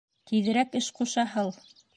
Тиҙерәк эш ҡуша һал!